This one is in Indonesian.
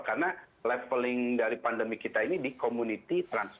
karena leveling dari pandemi kita ini di komunitas